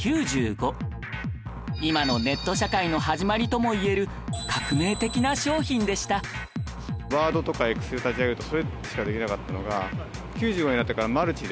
今のネット社会の始まりともいえる革命的な商品でしたができるほど。